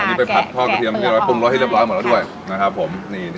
อันนี้ไปพัดทอดกระเทียมเนื้อไว้ปรุงร้อยที่เรียบร้อยหมดแล้วด้วยค่ะนะครับผมนี่